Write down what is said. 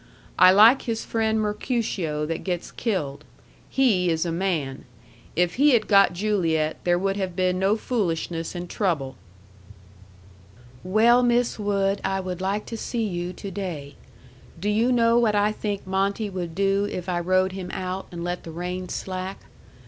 I like his friend Mercutio that gets killed. He is a man. If he had got Juliet there would have been no foolishness and trouble. Well Miss Wood I would like to see you to day. Do you know what I think Monte would do if I rode him out and let the rein slack?